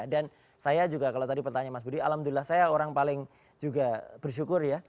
dan saya juga kalau tadi pertanyaan mas budi alhamdulillah saya orang paling bersyukur ya